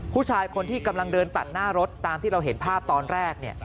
ผู้ชายคนที่กำลังเดินตัดหน้ารถตามที่เราเห็นภาพตอนแรก